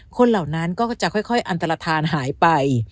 เหล่านั้นก็จะค่อยอันตรฐานหายไป